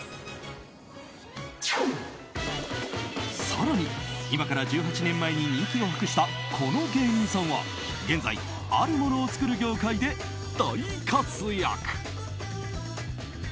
更に今から１８年前に人気を博したこの芸人さんは現在、あるものを作る業界で大活躍！